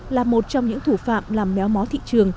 là một trong những thủ phạm làm méo mó thị trường